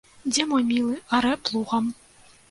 Дзе мой мілы арэ плугам.